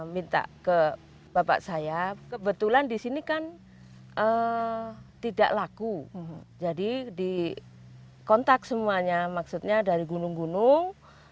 minta ke bapak saya kebetulan di sini kan tidak laku jadi di kontak semuanya maksudnya dari gunung gunung